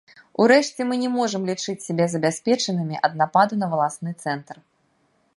Урэшце мы не можам лічыць сябе забяспечанымі ад нападу на валасны цэнтр.